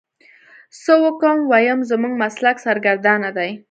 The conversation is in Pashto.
څه وکو ويم زموږ مسلک سرګردانه دی.